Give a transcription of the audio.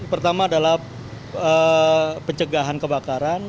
pertama adalah pencegahan kebakaran